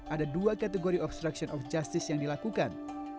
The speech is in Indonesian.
ada dua kategori obstruction of justice yang dilakukan